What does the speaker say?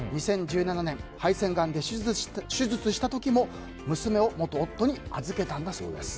２０１７年肺腺がんで手術した時も娘を元夫に預けたんだそうです。